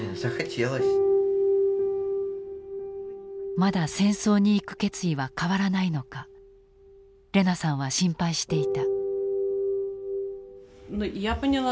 まだ戦争に行く決意は変わらないのかレナさんは心配していた。